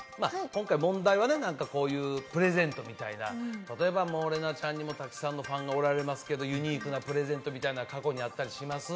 今回問題はね何かこういうプレゼントみたいな例えば玲奈ちゃんにもたくさんのファンがおられますけどユニークなプレゼントみたいな過去にあったりします？